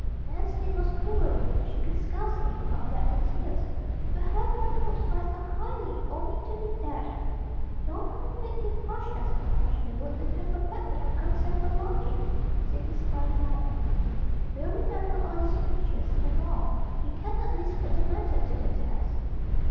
Nan's lip was quivering and she could scarcely crowd back the tears. To have one's hopes rise so high only to be dashed . "Don't completely crush us, Papa Sherwood, with your perfectly unanswerable logic," said his wife lightly. "We'll remember all these strictures, and more. We can at least put the matter to the test."